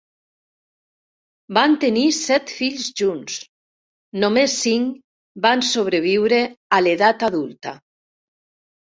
Van tenir set fills junts; només cinc van sobreviure a l'edat adulta.